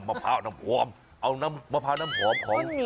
เอาน้ำมะพร้าน้ำหอมของ